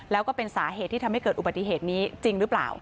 แล้วก็เป็นสาเหตุที่ทำให้เกิดอุบัติเหตุนี้จริงหรือเปล่า